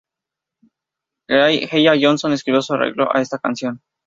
Craig Hella Johnson escribió un arreglo a esta canción.